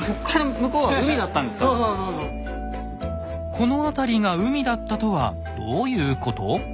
この辺りが海だったとはどういうこと？